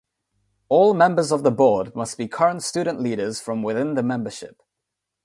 All members of the Board must be current student leaders from within the membership.